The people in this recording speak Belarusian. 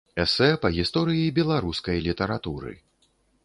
Эсэ па гісторыі беларускай літаратуры.